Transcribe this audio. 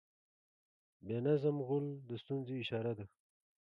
بې نظم غول د ستونزې اشاره ده.